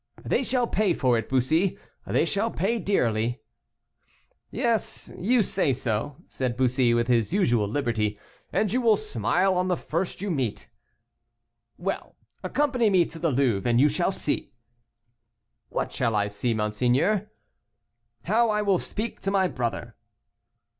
"They shall pay for it, Bussy; they shall pay dearly." "Yes, you say so," said Bussy, with his usual liberty, "and you will smile on the first you meet." "Well! accompany me to the Louvre, and you shall see." "What shall I see, monseigneur?" "How I will speak to my brother."